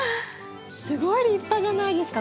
すごい立派じゃないですか？